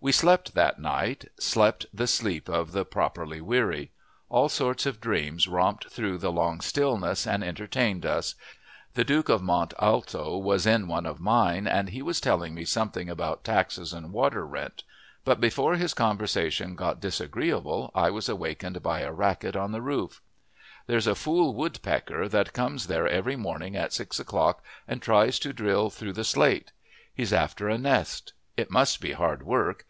We slept that night slept the sleep of the properly weary. All sorts of dreams romped through the long stillness and entertained us. The Duke of Mont Alto was in one of mine, and he was telling me something about taxes and water rent. But before his conversation got disagreeable I was awakened by a racket on the roof. There's a fool woodpecker that comes there every morning at six o'clock and tries to drill through the slate. He's after a nest. It must be hard work.